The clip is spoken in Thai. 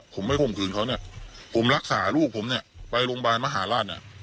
ผมไม่ข่มขืนเขาเนี่ยผมรักษาลูกผมเนี่ยไปโรงพยาบาลมหาราชเนี่ย